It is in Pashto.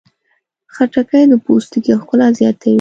خټکی د پوستکي ښکلا زیاتوي.